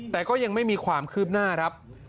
แต่ก็ยังไม่มีความคืบหน้าครับ